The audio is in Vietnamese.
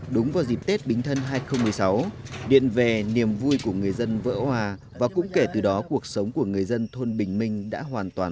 đúng vào dịp tết bính thân hai nghìn một mươi sáu điện về niềm vui của người dân vỡ hòa và cũng kể từ đó cuộc sống của người dân thôn bình minh đã hoàn toàn